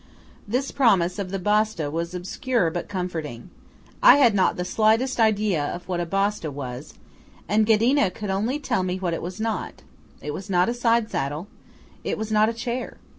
This promise of the Basta was obscure but comforting. I had not the slightest idea of what a Basta, was, and Ghedina could only tell me what it was not. It was not a side saddle. It was not a chair.